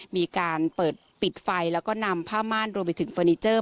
มีการเปิดปิดไฟแล้วก็นำผ้าม่านรวมไปถึงเฟอร์นิเจอร์